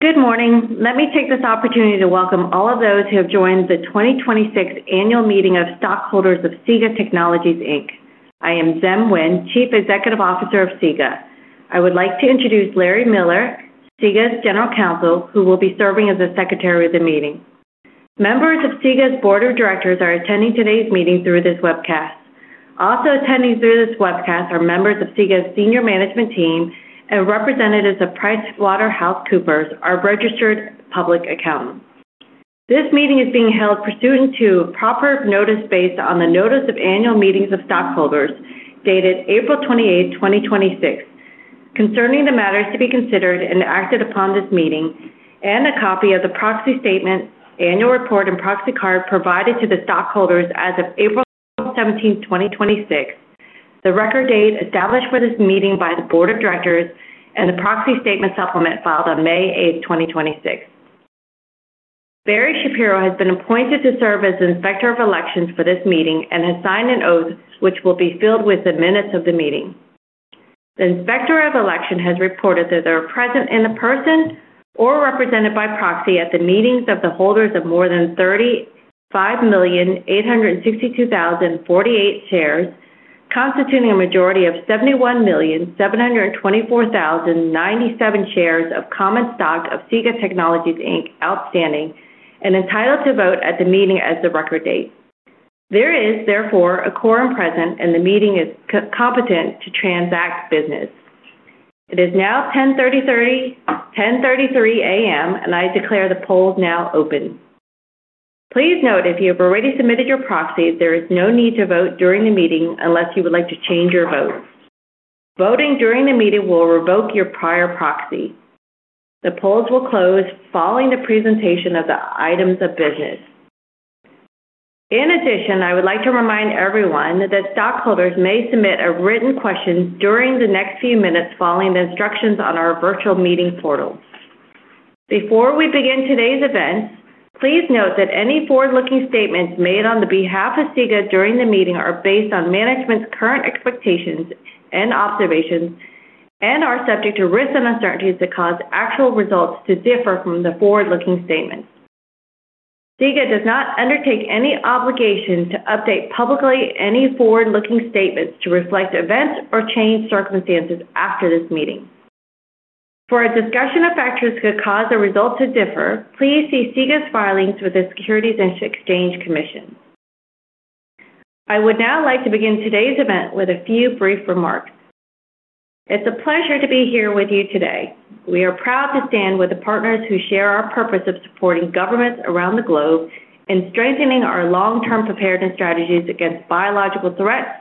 Good morning. Let me take this opportunity to welcome all of those who have joined the 2026 Annual Meeting of Stockholders of SIGA Technologies, Inc. I am Diem Nguyen, Chief Executive Officer of SIGA. I would like to introduce Larry Miller, SIGA's General Counsel, who will be serving as the secretary of the meeting. Members of SIGA's Board of Directors are attending today's meeting through this webcast. Also attending through this webcast are members of SIGA's senior management team and representatives of PricewaterhouseCoopers, our registered public accountant. This meeting is being held pursuant to proper notice based on the Notice of Annual Meetings of Stockholders, dated April 28th, 2026, concerning the matters to be considered and acted upon in this meeting, and a copy of the proxy statement, annual report, and proxy card provided to the stockholders as of April 17th, 2026, the record date established for this meeting by the Board of Directors, and the proxy statement supplement filed on May 8th, 2026. Barry Shapiro has been appointed to serve as Inspector of Elections for this meeting and has signed an oath, which will be filed with the minutes of the meeting. The Inspector of Elections has reported that they are present in person or represented by proxy at the meetings of the holders of more than 35,862,048 shares, constituting a majority of 71,724,097 shares of common stock of SIGA Technologies, Inc outstanding and entitled to vote at the meeting as of the record date. There is, therefore, a quorum present, and the meeting is competent to transact business. It is now 10:33 A.M., and I declare the polls now open. Please note if you have already submitted your proxy, there is no need to vote during the meeting unless you would like to change your vote. Voting during the meeting will revoke your prior proxy. The polls will close following the presentation of the items of business. In addition, I would like to remind everyone that stockholders may submit a written question during the next few minutes following the instructions on our virtual meeting portal. Before we begin today's event, please note that any forward-looking statements made on the behalf of SIGA during the meeting are based on management's current expectations and observations and are subject to risks and uncertainties that cause actual results to differ from the forward-looking statements. SIGA does not undertake any obligation to update publicly any forward-looking statements to reflect events or changed circumstances after this meeting. For a discussion of factors that could cause the result to differ, please see SIGA's filings with the Securities and Exchange Commission. I would now like to begin today's event with a few brief remarks. It's a pleasure to be here with you today. We are proud to stand with the partners who share our purpose of supporting governments around the globe in strengthening our long-term preparedness strategies against biological threats,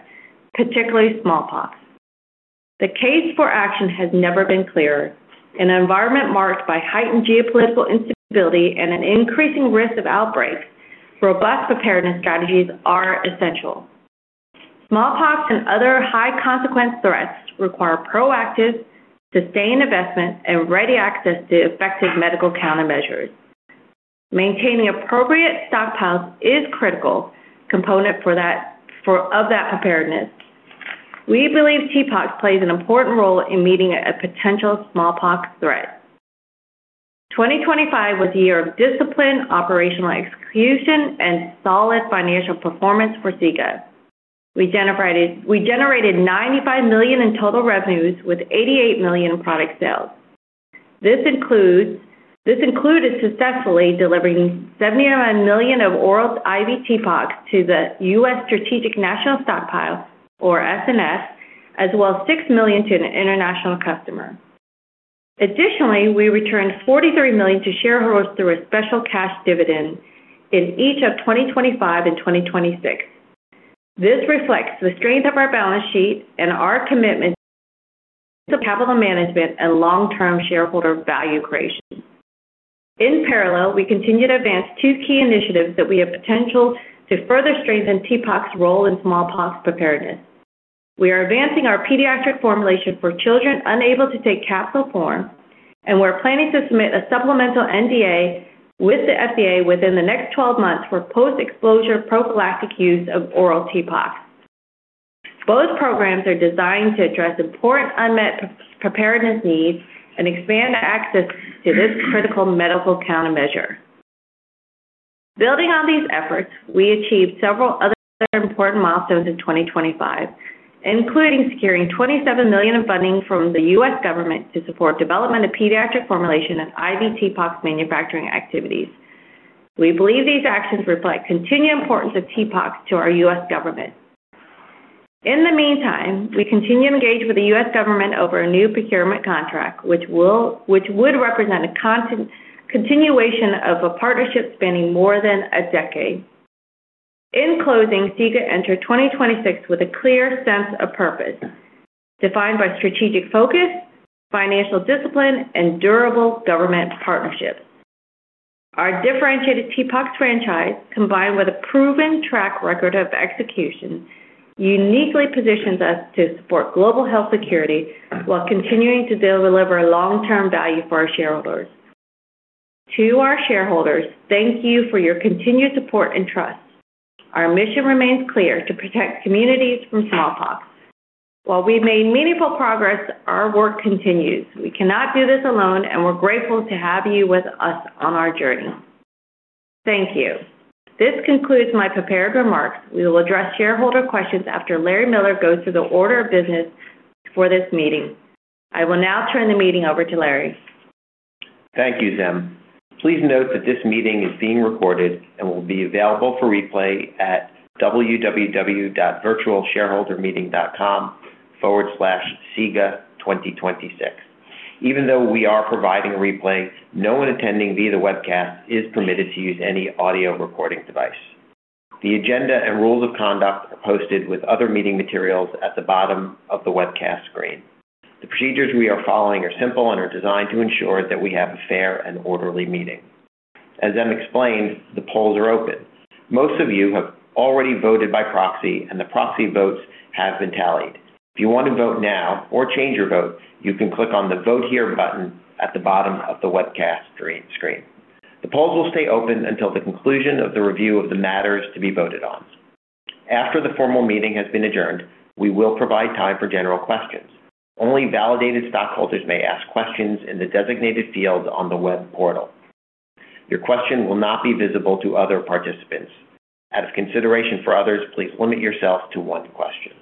particularly smallpox. The case for action has never been clearer. In an environment marked by heightened geopolitical instability and an increasing risk of outbreak, robust preparedness strategies are essential. Smallpox and other high-consequence threats require proactive, sustained investment, and ready access to effective medical countermeasures. Maintaining appropriate stockpiles is a critical component of that preparedness. We believe TPOXX plays an important role in meeting a potential smallpox threat. 2025 was a year of disciplined operational execution and solid financial performance for SIGA. We generated $95 million in total revenues with $88 million in product sales. This included successfully delivering 79 million of oral and IV TPOXX to the U.S. Strategic National Stockpile, or SNS, as well as 6 million to an international customer. Additionally, we returned $43 million to shareholders through a special cash dividend in each of 2025 and 2026. This reflects the strength of our balance sheet and our commitment to capital management and long-term shareholder value creation. In parallel, we continue to advance two key initiatives that we have potential to further strengthen TPOXX's role in smallpox preparedness. We are advancing our pediatric formulation for children unable to take capsule form, and we're planning to submit a supplemental NDA with the FDA within the next 12 months for post-exposure prophylactic use of oral TPOXX. Both programs are designed to address important unmet preparedness needs and expand access to this critical medical countermeasure. Building on these efforts, we achieved several other important milestones in 2025, including securing $27 million in funding from the U.S. government to support development of pediatric formulation and IV TPOXX manufacturing activities. We believe these actions reflect continued importance of TPOXX to our U.S. government. In the meantime, we continue to engage with the U.S. government over a new procurement contract, which would represent a continuation of a partnership spanning more than a decade. In closing, SIGA entered 2026 with a clear sense of purpose, defined by strategic focus, financial discipline, and durable government partnerships. Our differentiated TPOXX franchise, combined with a proven track record of execution, uniquely positions us to support global health security while continuing to deliver long-term value for our shareholders. To our shareholders, thank you for your continued support and trust. Our mission remains clear: to protect communities from smallpox. While we've made meaningful progress, our work continues. We cannot do this alone, and we're grateful to have you with us on our journey. Thank you. This concludes my prepared remarks. We will address shareholder questions after Larry Miller goes through the order of business for this meeting. I will now turn the meeting over to Larry. Thank you, Diem. Please note that this meeting is being recorded and will be available for replay at www.virtualshareholdermeeting.com/siga2026. Even though we are providing a replay, no one attending via the webcast is permitted to use any audio recording device. The agenda and rules of conduct are posted with other meeting materials at the bottom of the webcast screen. The procedures we are following are simple and are designed to ensure that we have a fair and orderly meeting. As Diem explained, the polls are open. Most of you have already voted by proxy, and the proxy votes have been tallied. If you want to vote now or change your vote, you can click on the Vote Here button at the bottom of the webcast screen. The polls will stay open until the conclusion of the review of the matters to be voted on. After the formal meeting has been adjourned, we will provide time for general questions. Only validated stockholders may ask questions in the designated field on the web portal. Your question will not be visible to other participants. Out of consideration for others, please limit yourself to one question.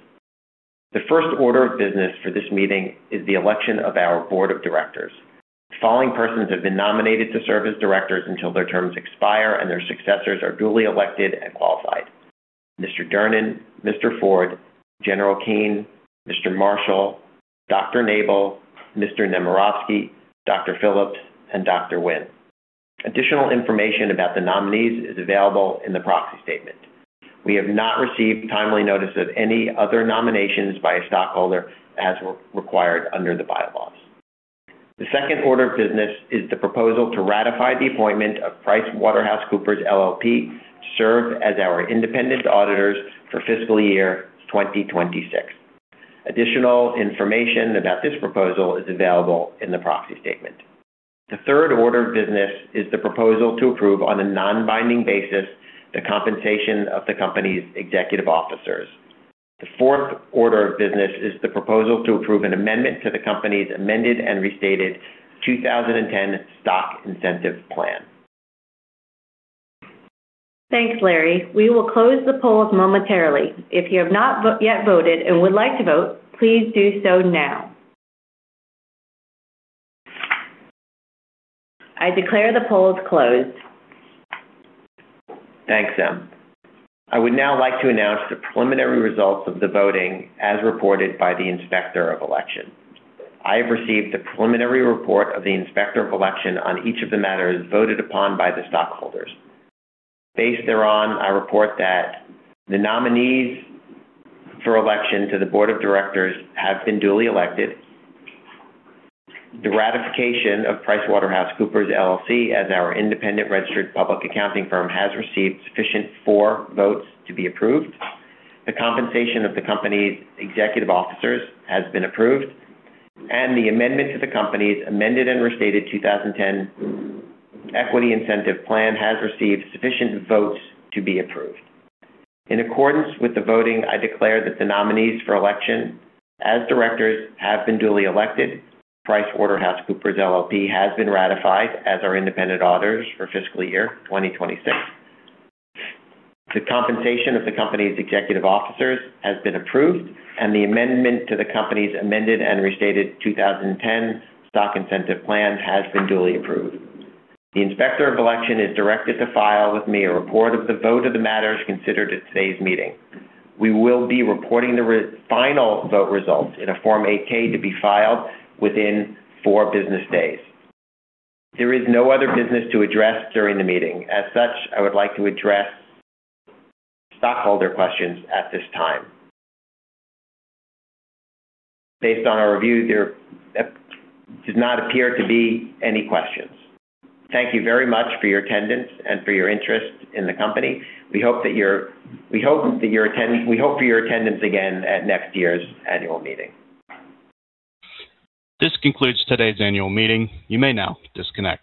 The first order of business for this meeting is the election of our board of directors. The following persons have been nominated to serve as directors until their terms expire and their successors are duly elected and qualified. Mr. Durnan, Mr. Ford, General Keane, Mr. Marshall, Dr. Nabel, Mr. Nemirovsky, Dr. Phillips, and Dr. Nguyen. Additional information about the nominees is available in the proxy statement. We have not received timely notice of any other nominations by a stockholder as required under the bylaws. The second order of business is the proposal to ratify the appointment of PricewaterhouseCoopers, LLP to serve as our independent auditors for fiscal year 2026. Additional information about this proposal is available in the proxy statement. The third order of business is the proposal to approve, on a non-binding basis, the compensation of the company's executive officers. The fourth order of business is the proposal to approve an amendment to the company's amended and restated 2010 Stock Incentive Plan. Thanks, Larry. We will close the polls momentarily. If you have not yet voted and would like to vote, please do so now. I declare the polls closed. Thanks, Diem. I would now like to announce the preliminary results of the voting as reported by the Inspector of Elections. I have received the preliminary report of the Inspector of Elections on each of the matters voted upon by the stockholders. Based thereon, I report that the nominees for election to the board of directors have been duly elected, the ratification of PricewaterhouseCoopers, LLP as our independent registered public accounting firm has received sufficient votes to be approved. The compensation of the company's executive officers has been approved, and the amendment to the company's amended and restated 2010 Stock Incentive Plan has received sufficient votes to be approved. In accordance with the voting, I declare that the nominees for election as directors have been duly elected. PricewaterhouseCoopers, LLP has been ratified as our independent auditors for fiscal year 2026. The compensation of the company's executive officers has been approved, and the amendment to the company's amended and restated 2010 Stock Incentive Plan has been duly approved. The Inspector of Election is directed to file with me a report of the vote of the matters considered at today's meeting. We will be reporting the final vote results in a Form 8-K to be filed within four business days. There is no other business to address during the meeting. I would like to address stockholder questions at this time. Based on our review, there does not appear to be any questions. Thank you very much for your attendance and for your interest in the company. We hope for your attendance again at next year's annual meeting. This concludes today's annual meeting. You may now disconnect